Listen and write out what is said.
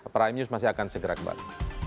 prime news masih akan segera kembali